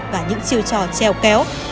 và những chiêu trò treo kéo